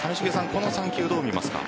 この３球どう見ますか？